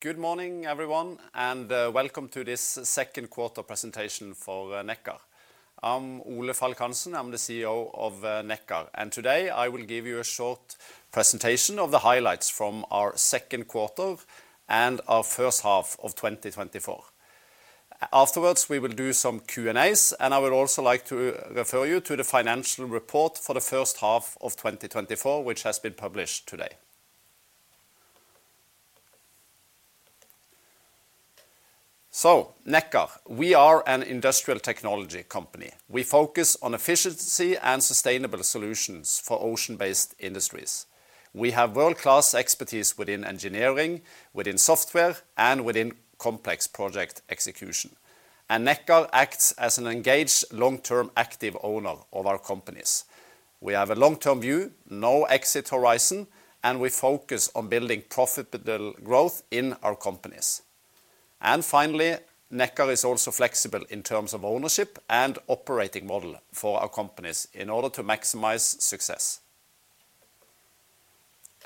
Good morning, everyone, and welcome to this Q2 presentation for Nekkar. I'm Ole Falk Hansen. I'm the CEO of Nekkar, and today I will give you a short presentation of the highlights from our Q2 and our first half of twenty twenty-four. Afterwards, we will do some Q&A, and I would also like to refer you to the financial report for the first half of twenty twenty-four, which has been published today, so Nekkar, we are an industrial technology company. We focus on efficiency and sustainable solutions for ocean-based industries. We have world-class expertise within engineering, within software, and within complex project execution, and Nekkar acts as an engaged, long-term, active owner of our companies. We have a long-term view, no exit horizon, and we focus on building profitable growth in our companies. And finally, Nekkar is also flexible in terms of ownership and operating model for our companies in order to maximize success.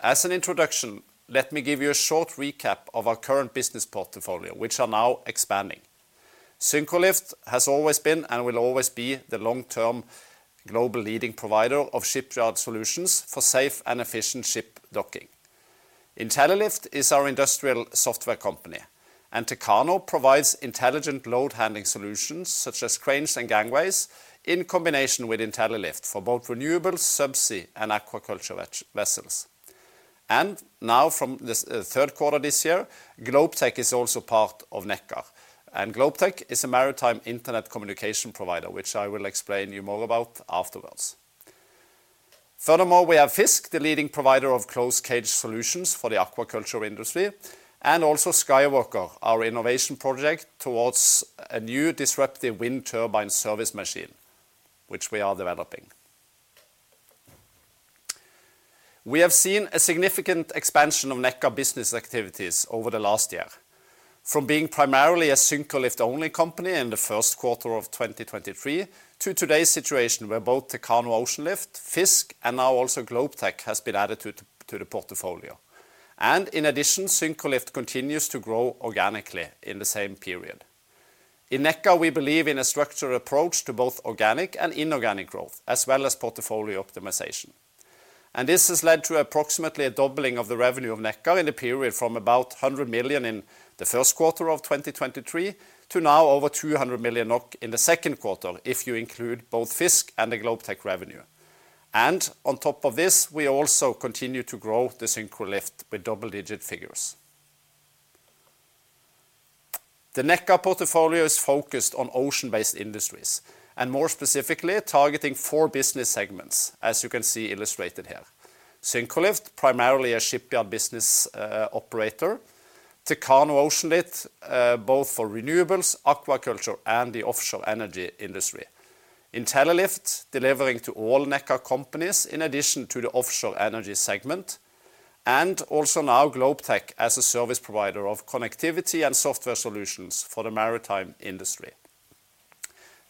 As an introduction, let me give you a short recap of our current business portfolio, which are now expanding. Syncrolift has always been, and will always be, the long-term global leading provider of shipyard solutions for safe and efficient ship docking. Intellilift is our industrial software company, and Techano provides intelligent load-handling solutions, such as cranes and gangways, in combination with Intellilift for both renewable, subsea, and aquaculture vessels. And now, from this Q3 this year, Globetech is also part of Nekkar, and Globetech is a maritime internet communication provider, which I will explain you more about afterwards. Furthermore, we have FiiZK, the leading provider of closed cage solutions for the aquaculture industry, and also Skywalker, our innovation project towards a new disruptive wind turbine service machine, which we are developing. We have seen a significant expansion of Nekkar business activities over the last year. From being primarily a Syncrolift-only company in the Q1 of 2023, to today's situation, where both Techano Oceanlift, FiiZK, and now also Globetech, has been added to the portfolio. And in addition, Syncrolift continues to grow organically in the same period. In Nekkar, we believe in a structured approach to both organic and inorganic growth, as well as portfolio optimization, and this has led to approximately a doubling of the revenue of Nekkar in the period from about 100 million NOK in the Q 1 of 2023, to now over 200 million NOK in the Q 2, if you include both FiiZK and the Globetech revenue. And on top of this, we also continue to grow the Syncrolift with double-digit figures. The Nekkar portfolio is focused on ocean-based industries, and more specifically, targeting four business segments, as you can see illustrated here. Syncrolift, primarily a shipyard business, operator. Techano Oceanlift, both for renewables, aquaculture, and the offshore energy industry. Intellilift, delivering to all Nekkar companies, in addition to the offshore energy segment. And also now Globetech as a service provider of connectivity and software solutions for the maritime industry.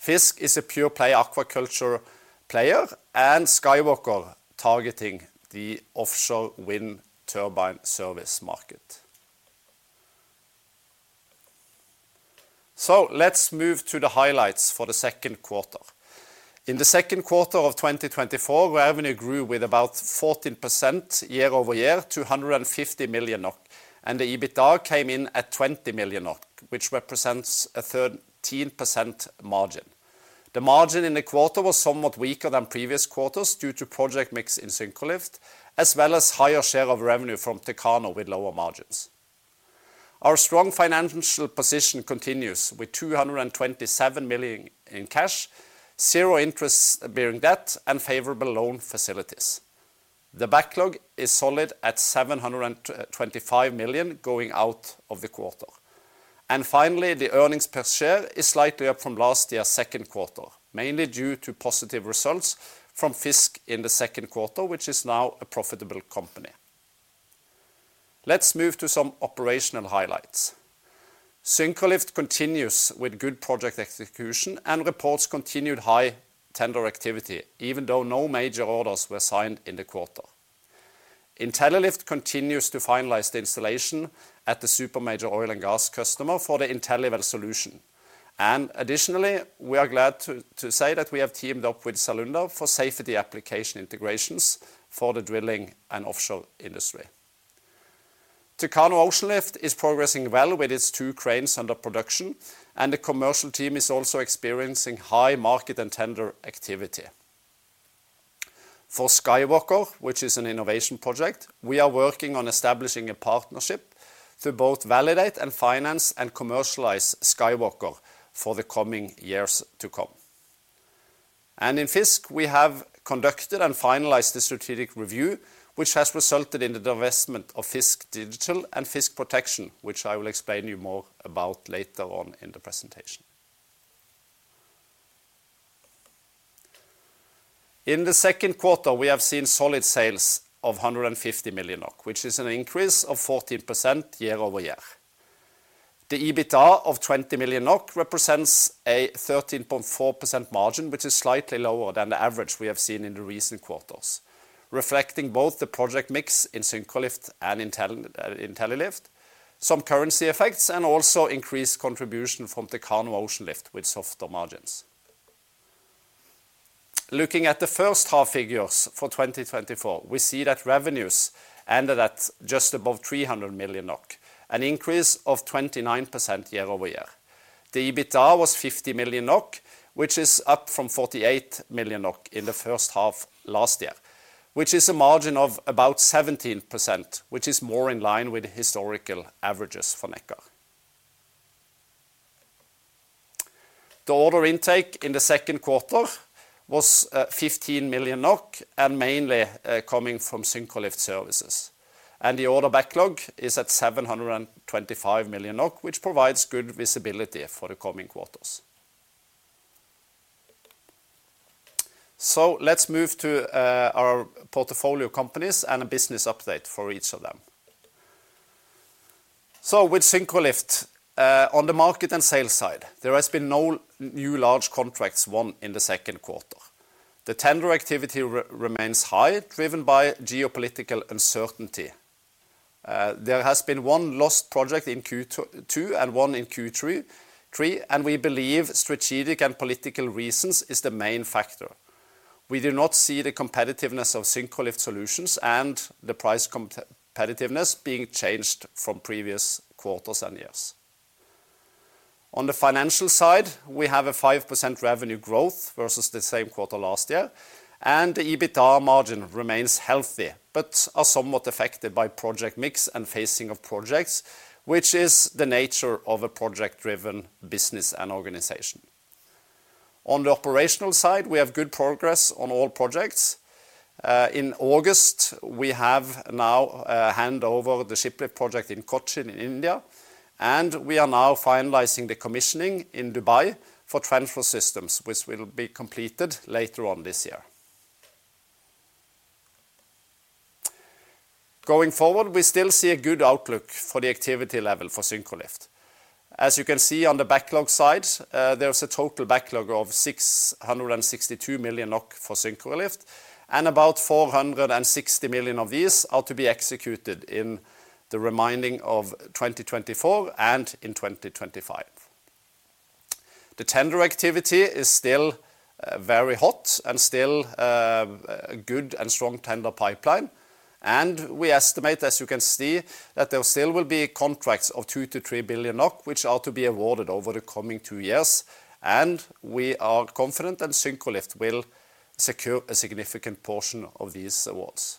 FiiZK is a pure-play aquaculture player, and Skywalker targeting the offshore wind turbine service market. Let's move to the highlights for the Q2. In the Q2 of twenty twenty-four, revenue grew with about 14% year-over-year to 150 million NOK, and the EBITDA came in at 20 million NOK, which represents a 13% margin. The margin in the quarter was somewhat weaker than previous quarters due to project mix in Syncrolift, as well as higher share of revenue from Techano, with lower margins. Our strong financial position continues, with 227 million in cash, zero interest-bearing debt, and favorable loan facilities. The backlog is solid at 725 million going out of the quarter. And finally, the earnings per share is slightly up from last year's Q2, mainly due to positive results from FiiZK in the Q2, which is now a profitable company. Let's move to some operational highlights. Syncrolift continues with good project execution and reports continued high tender activity, even though no major orders were signed in the quarter. Intellilift continues to finalize the installation at the super major oil and gas customer for the IntelliWell solution, and additionally, we are glad to say that we have teamed up with Salunda for safety application integrations for the drilling and offshore industry. Techano Oceanlift is progressing well with its two cranes under production, and the commercial team is also experiencing high market and tender activity. For Skywalker, which is an innovation project, we are working on establishing a partnership to both validate and finance and commercialize Skywalker for the coming years to come. In FiiZK, we have conducted and finalized the strategic review, which has resulted in the divestment of FiiZK Digital and FiiZK Protection, which I will explain you more about later on in the presentation. In the Q2, we have seen solid sales of 150 million NOK, which is an increase of 14% year-over-year. The EBITDA of 20 million NOK represents a 13.4% margin, which is slightly lower than the average we have seen in the recent quarters, reflecting both the project mix in Syncrolift and Intellilift, some currency effects, and also increased contribution from Techano Oceanlift, with softer margins. Looking at the first half figures for 2024, we see that revenues ended at just above 300 million NOK, an increase of 29% y ear-over-year. The EBITDA was 50 million NOK, which is up from 48 million NOK in the first half last year, which is a margin of about 17%, which is more in line with historical averages for Nekkar. The order intake in the Q2 was 15 million NOK and mainly coming from Syncrolift Services. The order backlog is at 725 million NOK, which provides good visibility for the coming quarters. Let's move to our portfolio companies and a business update for each of them. With Syncrolift, on the market and sales side, there has been no new large contracts won in the Q2. The tender activity remains high, driven by geopolitical uncertainty. There has been one lost project in Q2 and one in Q3, and we believe strategic and political reasons is the main factor. We do not see the competitiveness of Syncrolift solutions and the price competitiveness being changed from previous quarters and years. On the financial side, we have a 5% revenue growth versus the same quarter last year, and the EBITDA margin remains healthy but are somewhat affected by project mix and phasing of projects, which is the nature of a project-driven business and organization. On the operational side, we have good progress on all projects. In August, we have now hand over the shiplift project in Cochin, in India, and we are now finalizing the commissioning in Dubai for transfer systems, which will be completed later on this year. Going forward, we still see a good outlook for the activity level for Syncrolift. As you can see on the backlog side, there is a total backlog of 662 million NOK for Syncrolift, and about 460 million of these are to be executed in the remaining of 2024 and in 2025. The tender activity is still very hot and still a good and strong tender pipeline. We estimate, as you can see, that there still will be contracts of 2-3 billion NOK, which are to be awarded over the coming two years, and we are confident that Syncrolift will secure a significant portion of these awards.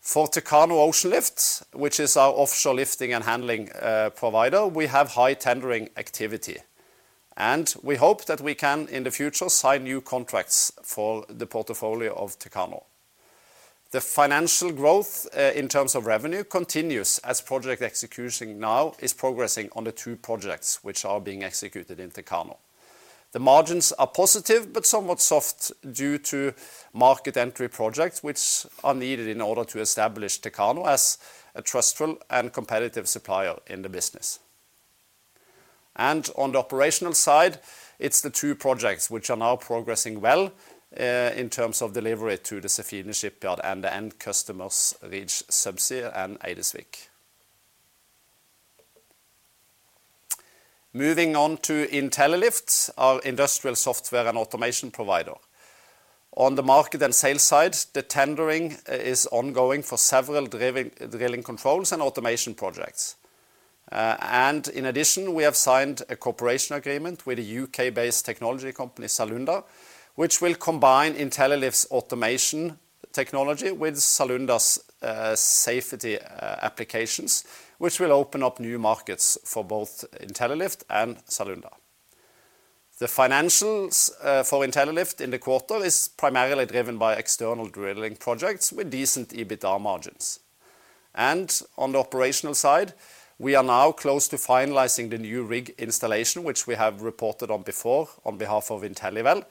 For Techano Oceanlift, which is our offshore lifting and handling provider, we have high tendering activity, and we hope that we can, in the future, sign new contracts for the portfolio of Techano. The financial growth in terms of revenue continues as project execution now is progressing on the two projects which are being executed in Techano. The margins are positive but somewhat soft due to market entry projects, which are needed in order to establish Techano as a trustful and competitive supplier in the business. And on the operational side, it's the two projects which are now progressing well in terms of delivery to the Sefine Shipyard and the end customers, which Agalas and Eidesvik. Moving on to Intellilift, our industrial software and automation provider. On the market and sales side, the tendering is ongoing for several driving, drilling controls and automation projects. And in addition, we have signed a cooperation agreement with a UK-based technology company, Salunda, which will combine Intellilift's automation technology with Salunda's safety applications, which will open up new markets for both Intellilift and Salunda. The financials for Intellilift in the quarter is primarily driven by external drilling projects with decent EBITDA margins. And on the operational side, we are now close to finalizing the new rig installation, which we have reported on before on behalf of IntelliWell.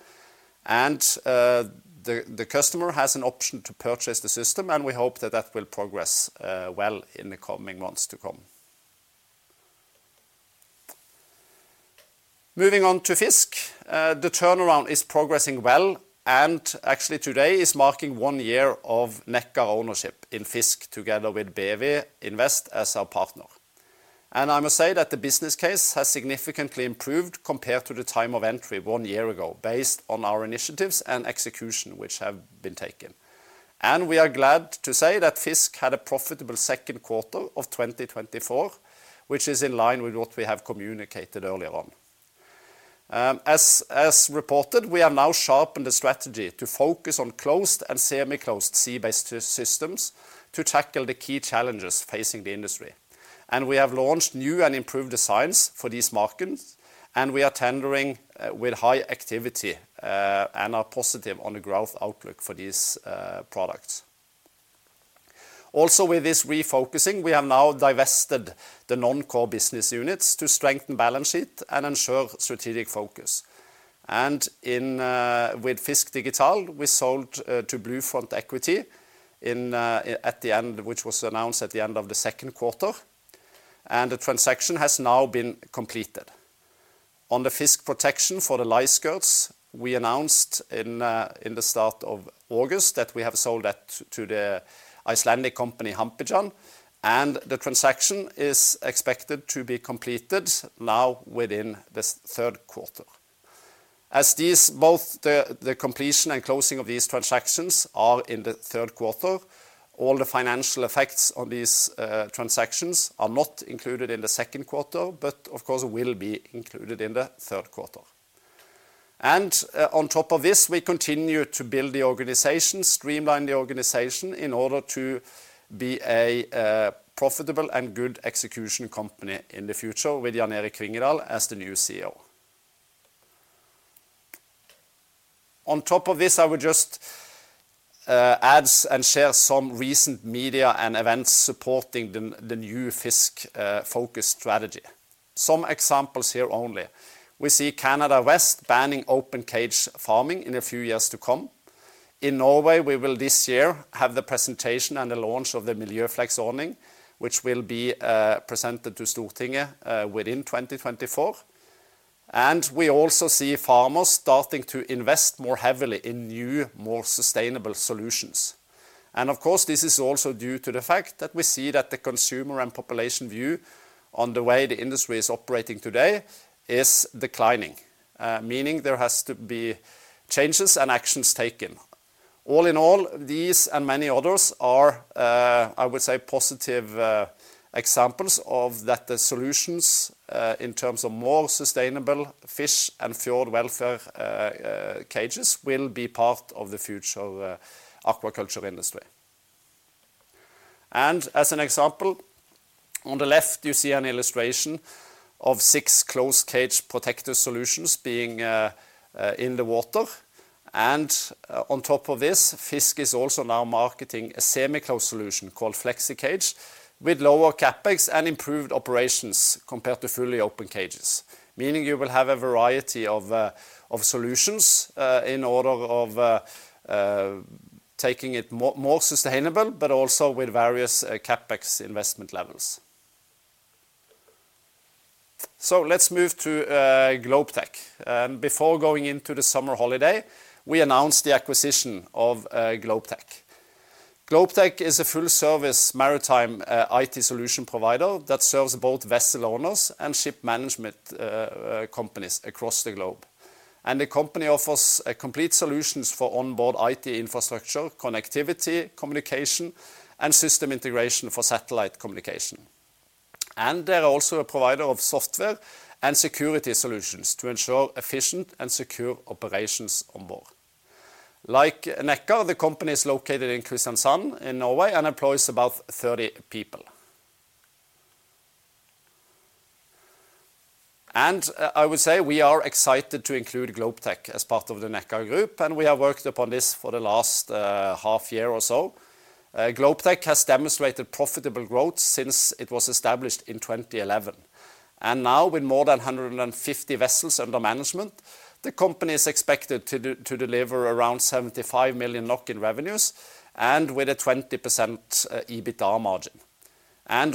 And the customer has an option to purchase the system, and we hope that that will progress well in the coming months to come. Moving on to FiiZK, the turnaround is progressing well, and actually today is marking one year of Nekkar ownership in FiiZK, together with BEWI Invest as our partner. I must say that the business case has significantly improved compared to the time of entry one year ago, based on our initiatives and execution which have been taken. We are glad to say that FiiZK had a profitable Q2 of 2024, which is in line with what we have communicated earlier on. As reported, we have now sharpened the strategy to focus on closed and semi-closed sea-based systems to tackle the key challenges facing the industry. We have launched new and improved designs for these markets, and we are tendering with high activity and are positive on the growth outlook for these products. Also, with this refocusing, we have now divested the non-core business units to strengthen balance sheet and ensure strategic focus. And with FiiZK Digital, we sold to Blue Front Equity at the end, which was announced at the end of the Q2, and the transaction has now been completed. On the FiiZK Protection for the lice skirts, we announced in the start of August that we have sold that to the Icelandic company, Hampiðjan, and the transaction is expected to be completed now within this Q3. As these, both the completion and closing of these transactions are in the Q3, all the financial effects on these transactions are not included in the Q2, but of course, will be included in the Q3. On top of this, we continue to build the organization, streamline the organization, in order to be a profitable and good execution company in the future with Jan Erik Vinje as the new CEO. On top of this, I would just add and share some recent media and events supporting the new FiiZK focus strategy. Some examples here only: We see Canada West banning open-cage farming in a few years to come. In Norway, we will, this year, have the presentation and the launch of the Miljøfleks ordning, which will be presented to Stortinget within 2024. We also see farmers starting to invest more heavily in new, more sustainable solutions. And of course, this is also due to the fact that we see that the consumer and population view on the way the industry is operating today is declining, meaning there has to be changes and actions taken. All in all, these and many others are, I would say, positive examples of that the solutions in terms of more sustainable fish and fjord welfare cages, will be part of the future aquaculture industry. And as an example, on the left you see an illustration of six closed cage protector solutions being in the water. And on top of this, FiiZK is also now marketing a semi-closed solution called FlexiCage, with lower CapEx and improved operations compared to fully open cages. Meaning you will have a variety of solutions in order of taking it more sustainable, but also with various CapEx investment levels. So let's move to Globetech. Before going into the summer holiday, we announced the acquisition of Globetech. Globetech is a full-service maritime IT solution provider that serves both vessel owners and ship management companies across the globe. And the company offers a complete solutions for onboard IT infrastructure, connectivity, communication, and system integration for satellite communication. And they're also a provider of software and security solutions to ensure efficient and secure operations on board. Like Nekkar, the company is located in Kristiansand in Norway and employs about 30 people. I would say we are excited to include Globetech as part of the Nekkar group, and we have worked upon this for the last half year or so. Globetech has demonstrated profitable growth since it was established in 2011. Now, with more than 150 vessels under management, the company is expected to deliver around 75 million NOK in revenues, and with a 20% EBITDA margin.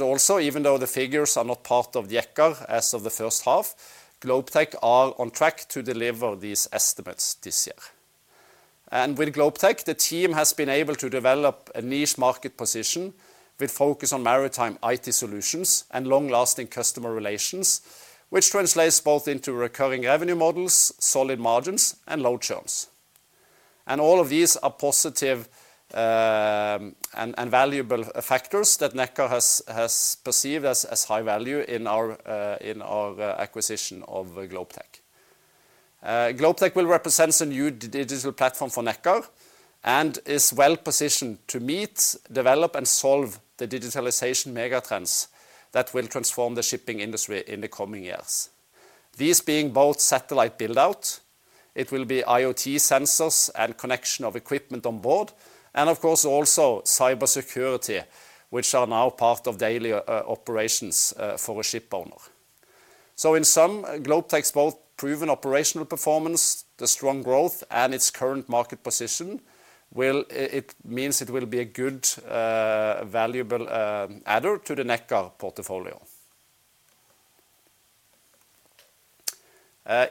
Also, even though the figures are not part of the Nekkar as of the first half, Globetech are on track to deliver these estimates this year. With Globetech, the team has been able to develop a niche market position with focus on maritime IT solutions and long-lasting customer relations, which translates both into recurring revenue models, solid margins, and low churns. And all of these are positive, valuable factors that Nekkar has perceived as high value in our acquisition of Globetech. Globetech will represent a new digital platform for Nekkar and is well positioned to meet, develop, and solve the digitalization megatrends that will transform the shipping industry in the coming years. These being both satellite build-out, it will be IoT sensors and connection of equipment on board, and of course, also cybersecurity, which are now part of daily operations for a shipowner. So in sum, Globetech's both proven operational performance, the strong growth, and its current market position. It means it will be a good, valuable adder to the Nekkar portfolio.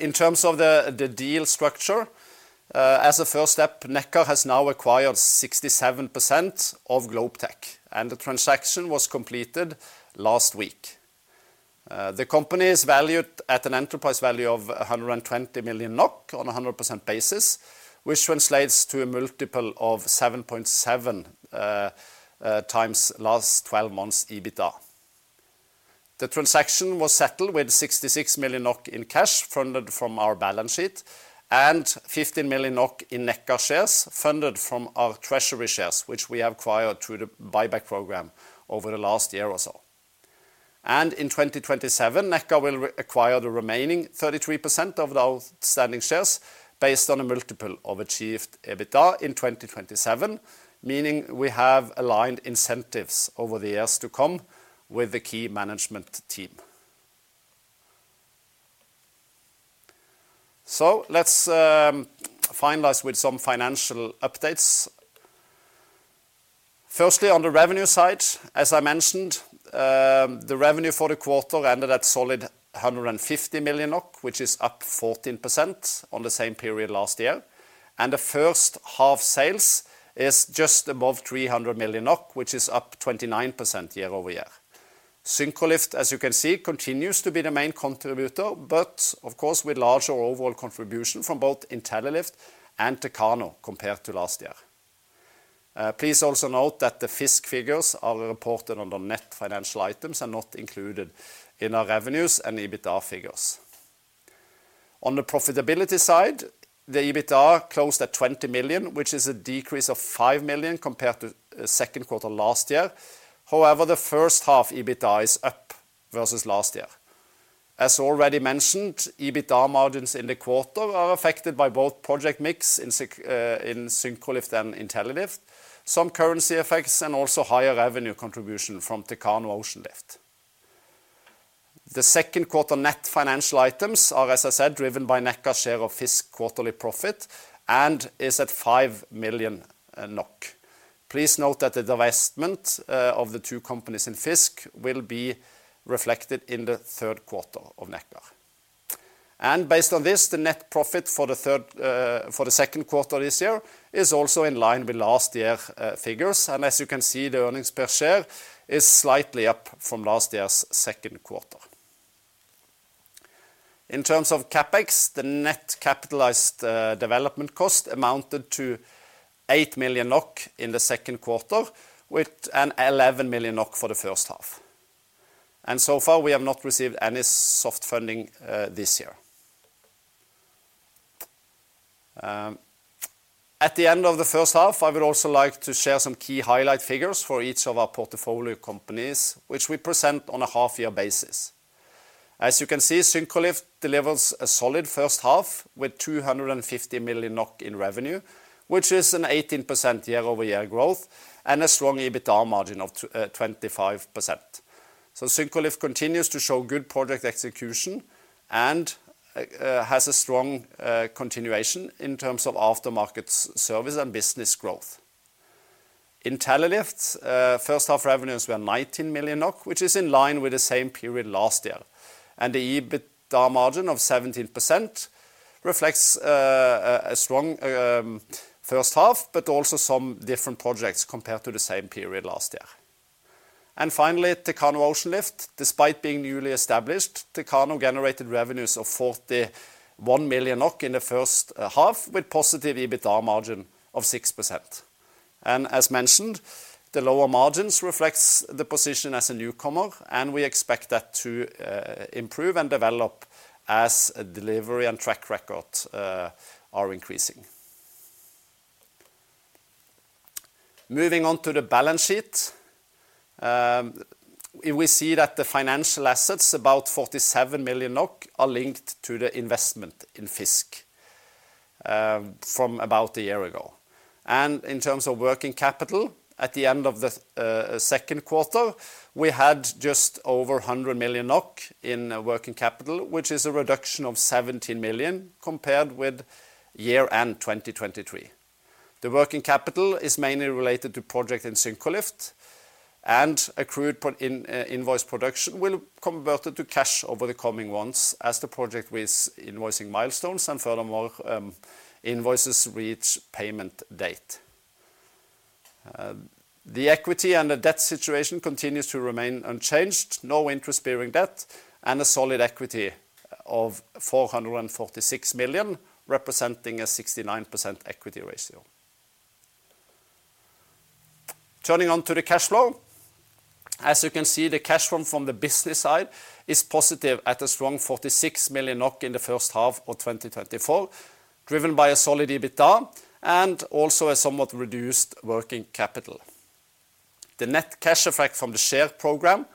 In terms of the deal structure, as a first step, Nekkar has now acquired 67% of Globetech, and the transaction was completed last week. The company is valued at an enterprise value of 120 million NOK on a 100% basis, which translates to a multiple of 7.7 times last twelve months EBITDA. The transaction was settled with 66 million NOK in cash, funded from our balance sheet, and 15 million NOK in Nekkar shares, funded from our treasury shares, which we acquired through the buyback program over the last year or so. In 2027, Nekkar will acquire the remaining 33% of the outstanding shares based on a multiple of achieved EBITDA in 2027, meaning we have aligned incentives over the years to come with the key management team. So let's finalize with some financial updates. Firstly, on the revenue side, as I mentioned, the revenue for the quarter ended at solid 150 million NOK, which is up 14% on the same period last year, and the first half sales is just above 300 million NOK, which is up 29% year-over-year. Syncrolift, as you can see, continues to be the main contributor, but of course with larger overall contribution from both Intellilift and Techano compared to last year. Please also note that the FiiZK figures are reported under net financial items and not included in our revenues and EBITDA figures. On the profitability side, the EBITDA closed at 20 million, which is a decrease of 5 million compared to Q 2 last year. However, the first half EBITDA is up versus last year. As already mentioned, EBITDA margins in the quarter are affected by both project mix in Syncrolift and Intellilift, some currency effects, and also higher revenue contribution from Techano Oceanlift. The Q2 net financial items are, as I said, driven by Nekkar share of FiiZK quarterly profit and is at five million NOK. Please note that the divestment of the two companies in FiiZK will be reflected in the Q3 of Nekkar. Based on this, the net profit for the Q2 this year is also in line with last year figures. As you can see, the earnings per share is slightly up from last year's Q2. In terms of CapEx, the net capitalized development cost amounted to eight million NOK in the Q2, with an 11 million NOK for the first half. So far, we have not received any soft funding this year. At the end of the first half, I would also like to share some key highlight figures for each of our portfolio companies, which we present on a half-year basis. As you can see, Syncrolift delivers a solid first half with two hundred and 50 million NOK in revenue, which is an 18% year-over-year growth and a strong EBITDA margin of 25%. Syncrolift continues to show good project execution and has a strong continuation in terms of aftermarket service and business growth. IntelliLift first half revenues were 19 million NOK, which is in line with the same period last year, and the EBITDA margin of 17% reflects a strong first half, but also some different projects compared to the same period last year. Finally, Techano Oceanlift, despite being newly established, Techano generated revenues of 41 million NOK in the first half, with positive EBITDA margin of 6%. As mentioned, the lower margins reflects the position as a newcomer, and we expect that to improve and develop as delivery and track record are increasing. Moving on to the balance sheet, we see that the financial assets, about 47 million NOK, are linked to the investment in FiiZK, from about a year ago. In terms of working capital, at the end of the Q2, we had just over 100 million NOK in working capital, which is a reduction of 17 million compared with year-end 2023. The working capital is mainly related to project in Syncrolift, and accrued in invoice production will convert it to cash over the coming months as the project with invoicing milestones, and furthermore, invoices reach payment date. The equity and the debt situation continues to remain unchanged, no interest-bearing debt, and a solid equity of 446 million NOK, representing a 69% equity ratio. Turning on to the cash flow, as you can see, the cash flow from the business side is positive at a strong 46 million NOK in the first half of 2024, driven by a solid EBITDA and also a somewhat reduced working capital. The net cash effect from the share program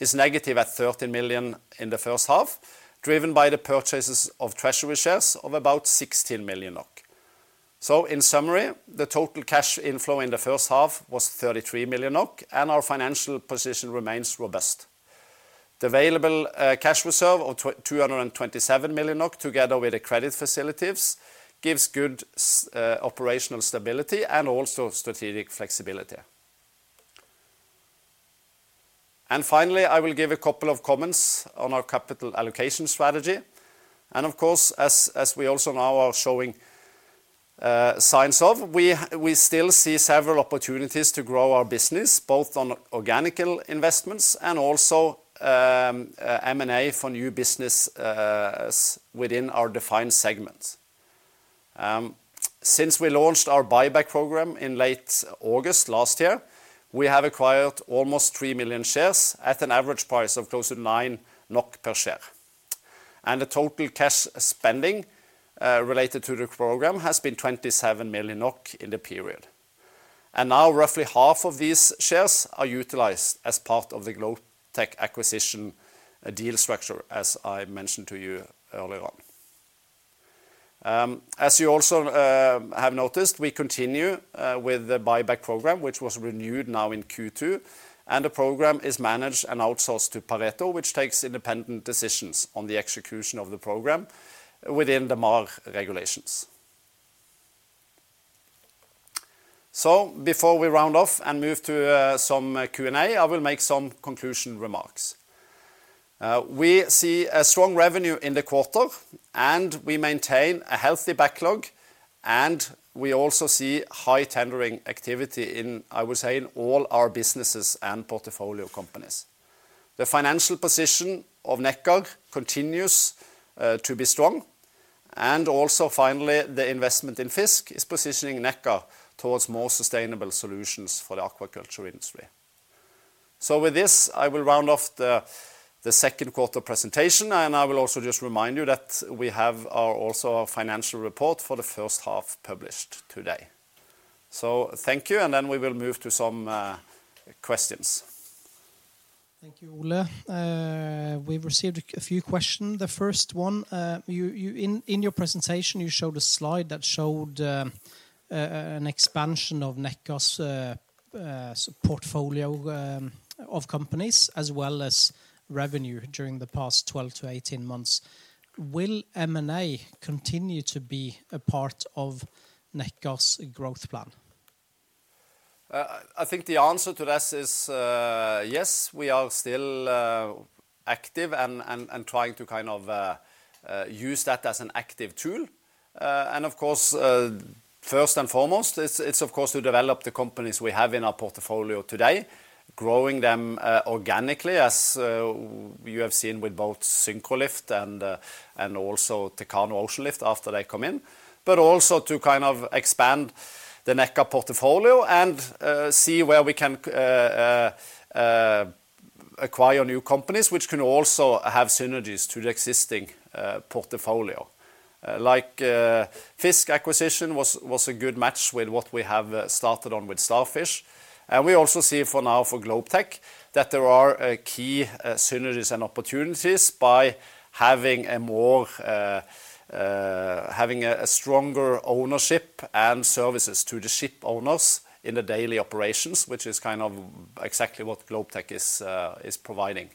is negative at 13 million NOK in the first half, driven by the purchases of treasury shares of about 16 million NOK. In summary, the total cash inflow in the first half was 33 million NOK, and our financial position remains robust. The available cash reserve of 227 million NOK, together with the credit facilities, gives good operational stability and also strategic flexibility. Finally, I will give a couple of comments on our capital allocation strategy. Of course, as we also now are showing signs of, we still see several opportunities to grow our business, both on organic investments and also M&A for new business within our defined segments. Since we launched our buyback program in late August last year, we have acquired almost 3 million shares at an average price of close to 9 NOK per share. And the total cash spending related to the program has been 27 million NOK in the period, and now roughly half of these shares are utilized as part of the Globetech acquisition deal structure, as I mentioned to you earlier on. As you also have noticed, we continue with the buyback program, which was renewed now in Q2, and the program is managed and outsourced to Pareto, which takes independent decisions on the execution of the program within the MAR regulations. So before we round off and move to some Q&A, I will make some conclusion remarks. We see a strong revenue in the quarter, and we maintain a healthy backlog, and we also see high tendering activity in, I would say, in all our businesses and portfolio companies. The financial position of Nekkar continues to be strong, and also finally, the investment in FiiZK is positioning Nekkar towards more sustainable solutions for the aquaculture industry. So with this, I will round off the Q2 presentation, and I will also just remind you that we have also our financial report for the first half published today. So thank you, and then we will move to some questions. Thank you, Ole. We've received a few questions. The first one, you in your presentation, you showed a slide that showed an expansion of Nekkar's portfolio of companies, as well as revenue during the past twelve to eighteen months. Will M&A continue to be a part of Nekkar's growth plan? I think the answer to this is yes, we are still active and I'm trying to kind of use that as an active tool. And of course, first and foremost, it's of course to develop the companies we have in our portfolio today, growing them organically, as you have seen with both SyncroLift and also Techano Oceanlift after they come in, but also to kind of expand the Nekkar portfolio and see where we can acquire new companies, which can also have synergies to the existing portfolio. Like, FiiZK acquisition was a good match with what we have started on with Starfish. And we also see for now for Globetech, that there are key synergies and opportunities by having a more... having a stronger ownership and services to the ship owners in the daily operations, which is kind of exactly what Globetech is providing.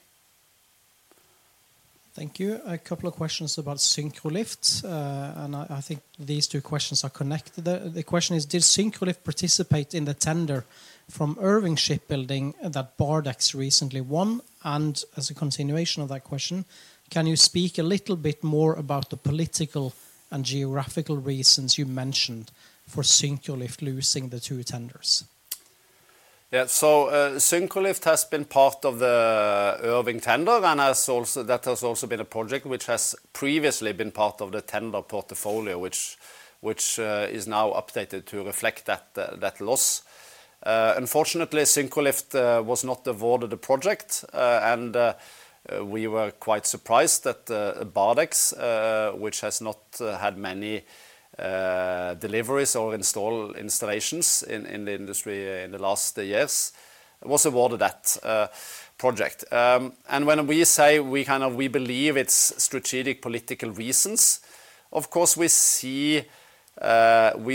Thank you. A couple of questions about Syncrolift, and I think these two questions are connected. The question is: Did Syncrolift participate in the tender from Irving Shipbuilding that Bardex recently won? And as a continuation of that question, can you speak a little bit more about the political and geographical reasons you mentioned for Syncrolift losing the two tenders? Yeah, so Syncrolift has been part of the Irving tender, and has also, that has also been a project which has previously been part of the tender portfolio, which is now updated to reflect that loss. Unfortunately, Syncrolift was not awarded the project, and we were quite surprised that Bardex, which has not had many deliveries or installations in the industry in the last years, was awarded that project. And when we say we, kind of, we believe it's strategic political reasons, of course, we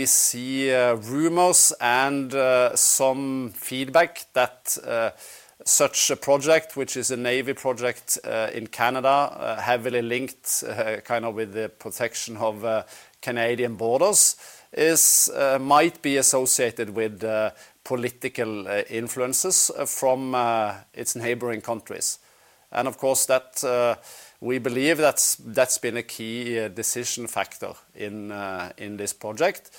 see rumors and some feedback that such a project, which is a navy project, in Canada, heavily linked, kind of with the protection of Canadian borders, is might be associated with political influences from its neighboring countries. And of course, that we believe that's been a key decision factor in this project.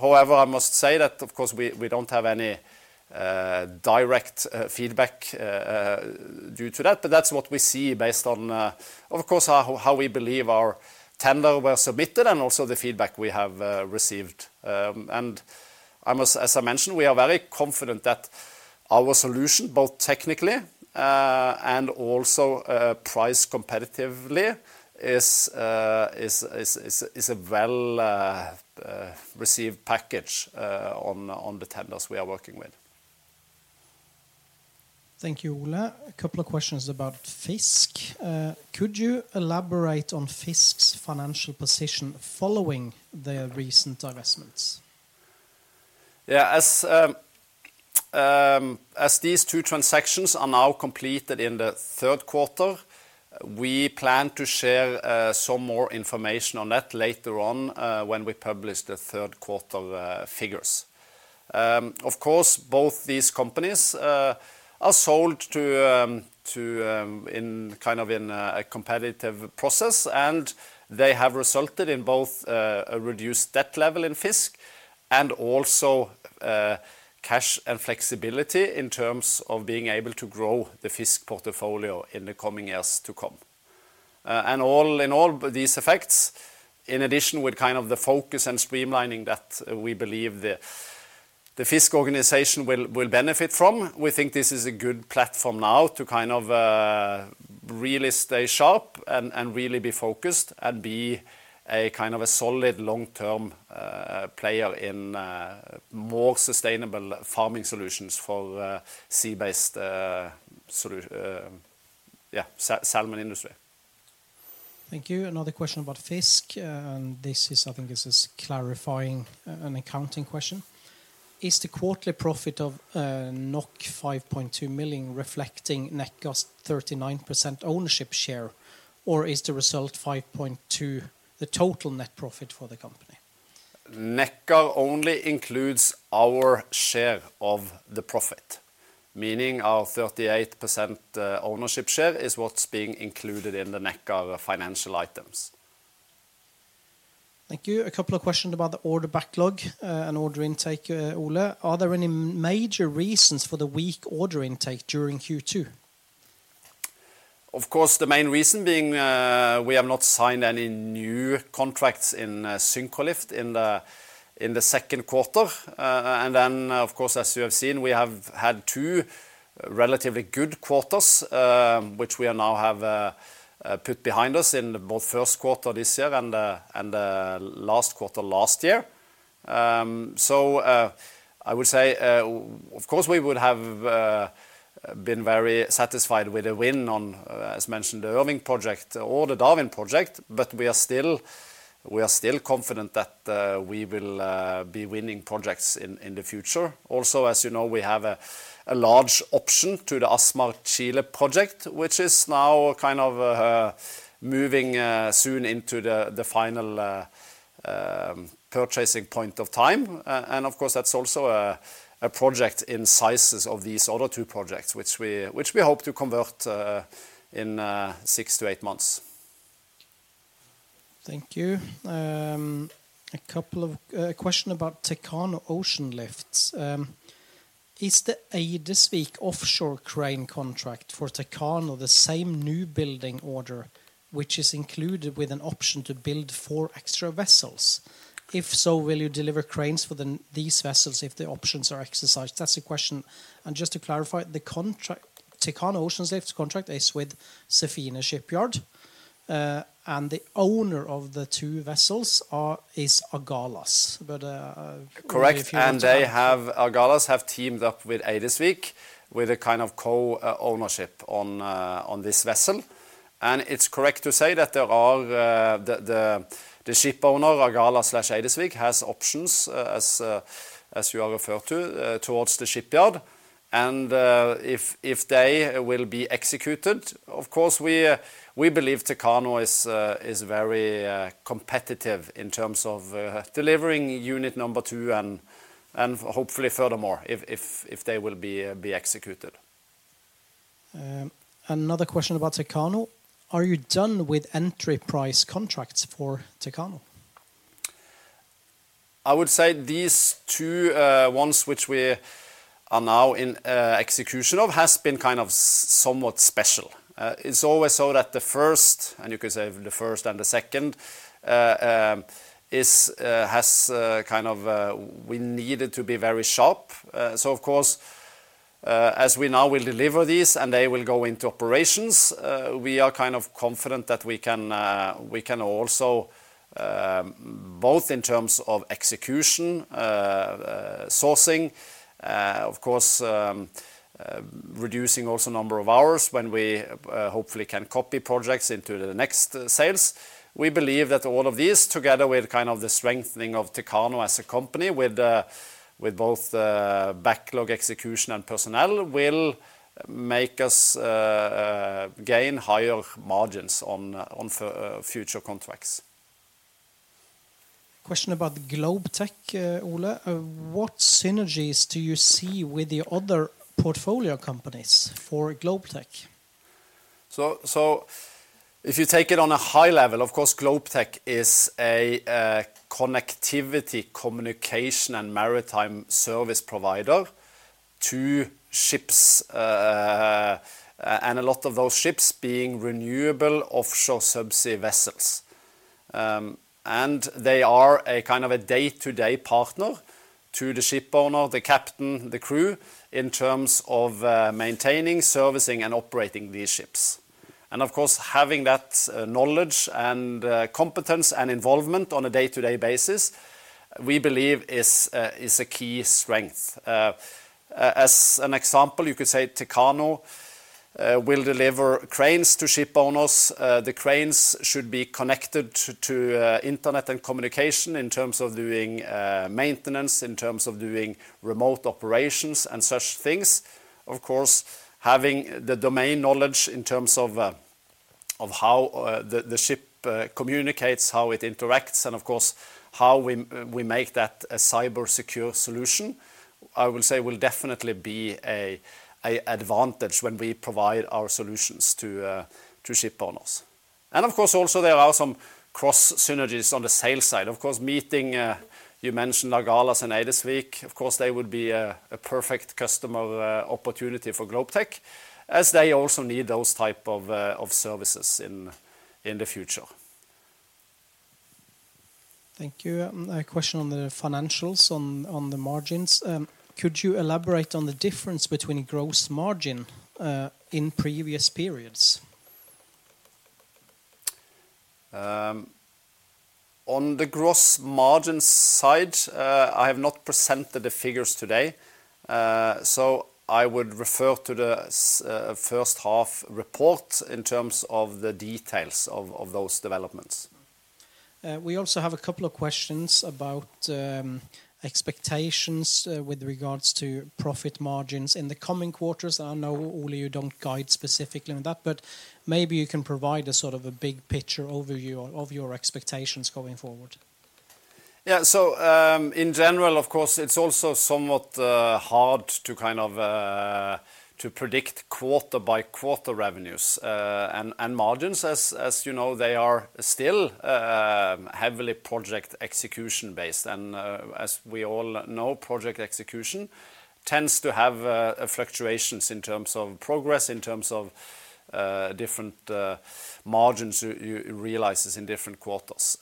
However, I must say that of course, we don't have any direct feedback due to that, but that's what we see based on, of course, how we believe our tender were submitted and also the feedback we have received. And I must... As I mentioned, we are very confident that our solution, both technically, and also, price competitively, is a well received package, on the tenders we are working with. Thank you, Ole. A couple of questions about FiiZK. Could you elaborate on FiiZK's financial position following the recent divestments? Yeah, as these two transactions are now completed in the Q3, we plan to share some more information on that later on when we publish the Q3 figures. Of course, both these companies are sold to in kind of a competitive process, and they have resulted in both a reduced debt level in FiiZK and also cash and flexibility in terms of being able to grow the FiiZK portfolio in the coming years to come. And all in all these effects, in addition, with kind of the focus and streamlining that we believe the FiiZK organization will benefit from, we think this is a good platform now to kind of really stay sharp and really be focused and be a kind of a solid long-term player in more sustainable farming solutions for sea-based salmon industry. Thank you. Another question about FiiZK, and this is, I think this is clarifying an accounting question. Is the quarterly profit of 5.2 million reflecting Nekkar's 39% ownership share, or is the result 5.2, the total net profit for the company? Nekkar only includes our share of the profit, meaning our 38% ownership share is what's being included in the Nekkar financial items. Thank you. A couple of questions about the order backlog and order intake, Ole. Are there any major reasons for the weak order intake during Q2? Of course, the main reason being we have not signed any new contracts in Syncrolift in the Q2, and then, of course, as you have seen, we have had two relatively good quarters, which we now have put behind us in both Q1 this year and last quarter last year, so I would say, of course, we would have been very satisfied with a win on, as mentioned, the Irving project or the Darwin project, but we are still confident that we will be winning projects in the future. Also, as you know, we have a large option to the Asmar Chile project, which is now kind of moving soon into the final purchasing point of time. And of course, that's also a project in sizes of these other two projects, which we hope to convert in six to eight months. Thank you. A couple of questions about Techano Oceanlift. Is the Eidesvik Offshore crane contract for Techano the same new building order, which is included with an option to build four extra vessels? If so, will you deliver cranes for these vessels if the options are exercised? That's the question, and just to clarify, the contract, Techano Oceanlift contract is with Sefine Shipyard, and the owner of the two vessels is Agalas. But, Correct. And they have Agalas have teamed up with Eidesvik with a kind of co-ownership on this vessel. And it's correct to say that there are the shipowner, Agalas/Eidesvik, has options as you are referred to towards the shipyard. And if they will be executed, of course, we believe Techano is very competitive in terms of delivering unit number two and hopefully furthermore if they will be executed. Another question about Techano: Are you done with enterprise contracts for Techano? I would say these two ones, which we are now in execution of, has been kind of somewhat special. It's always so that the first, and you could say the first and the second, is, has kind of, we need it to be very sharp. So of course, as we now will deliver these, and they will go into operations, we are kind of confident that we can, we can also, both in terms of execution, sourcing, of course, reducing also number of hours when we, hopefully can copy projects into the next sales. We believe that all of these, together with kind of the strengthening of Techano as a company with both backlog, execution, and personnel, will make us gain higher margins on future contracts. Question about Globetech, Ole. What synergies do you see with the other portfolio companies for Globetech? So if you take it on a high level, of course, Globetech is a connectivity, communication, and maritime service provider to ships, and a lot of those ships being renewable offshore subsea vessels. And they are a kind of a day-to-day partner to the shipowner, the captain, the crew, in terms of maintaining, servicing, and operating these ships. And of course, having that knowledge and competence and involvement on a day-to-day basis, we believe is a key strength. As an example, you could say Techano will deliver cranes to shipowners. The cranes should be connected to internet and communication in terms of doing maintenance, in terms of doing remote operations, and such things. Of course, having the domain knowledge in terms of of how the ship communicates, how it interacts, and of course, how we make that a cyber-secure solution, I will say will definitely be a advantage when we provide our solutions to shipowners. And of course, also there are some cross synergies on the sales side. Of course, meeting, you mentioned Agalas and Eidesvik, of course, they would be a perfect customer opportunity for Globetech, as they also need those type of services in the future. Thank you. A question on the financials, on the margins. Could you elaborate on the difference between gross margin in previous periods? On the gross margin side, I have not presented the figures today, so I would refer to the first half report in terms of the details of those developments. We also have a couple of questions about expectations with regards to profit margins in the coming quarters. I know, Ole, you don't guide specifically on that, but maybe you can provide a sort of a big picture overview of your expectations going forward. Yeah. So, in general, of course, it's also somewhat hard to kind of to predict quarter-by-quarter revenues and margins. As you know, they are still heavily project execution-based. And as we all know, project execution tends to have fluctuations in terms of progress, in terms of different margins you realizes in different quarters.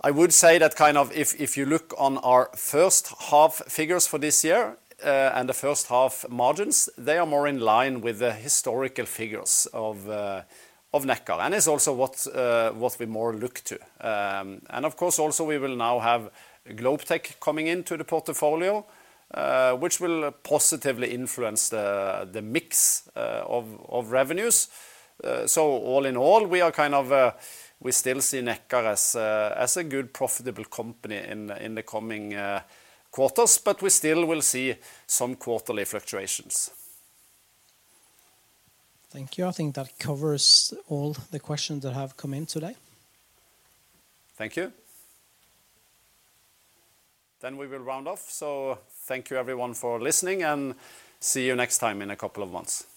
I would say that kind of if you look on our first half figures for this year and the first half margins, they are more in line with the historical figures of Nekkar. And it's also what we more look to. And of course, also we will now have Globetech coming into the portfolio, which will positively influence the mix of revenues. So all in all, we are kind of... We still see Nekkar as a good profitable company in the coming quarters, but we still will see some quarterly fluctuations. Thank you. I think that covers all the questions that have come in today. Thank you. Then we will round off. So thank you, everyone, for listening, and see you next time in a couple of months.